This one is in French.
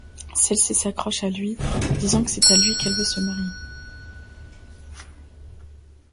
Celle-ci s'accroche à lui, disant que c'est avec lui qu'elle veut se marier.